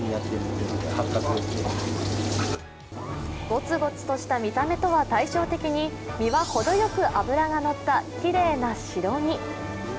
ゴツゴツとした見た目とは対照的に身は程よく脂が乗ったきれいな白身。